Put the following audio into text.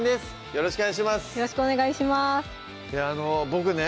よろしくお願いしますボクね